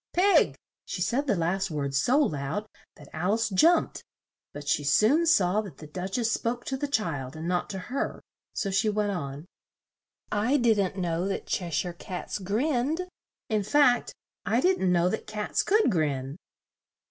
Pig!" She said the last word so loud that Al ice jumped; but she soon saw that the Duch ess spoke to the child and not to her, so she went on: "I didn't know that Che shire cats grinned; in fact, I didn't know that cats could grin."